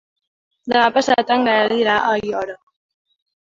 Demà passat en Gaël irà a Aiora.